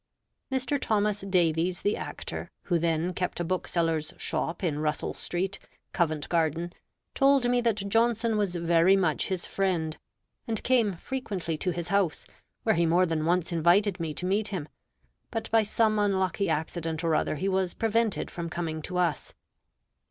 Mr. Thomas Davies the actor, who then kept a bookseller's shop in Russel street, Covent Garden, told me that Johnson was very much his friend, and came frequently to his house, where he more than once invited me to meet him; but by some unlucky accident or other he was prevented from coming to us.